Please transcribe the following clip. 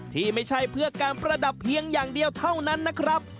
ที่ไม่ใช่เพื่อการประดับเพียงอย่างเดียวเท่านั้นนะครับ